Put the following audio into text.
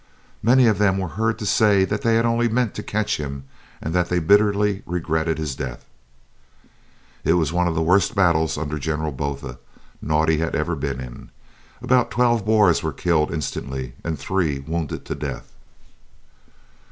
Many of them were heard to say that they had only meant to catch him and that they bitterly regretted his death. It was one of the worst battles, under General Botha, Naudé had ever been in. About twelve Boers were killed instantly, and three wounded to death.